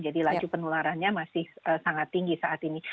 laju penularannya masih sangat tinggi saat ini